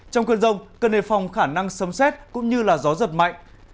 trong cơn rông cơn đề phòng khả năng sấm xét cũng như là gió giật mạnh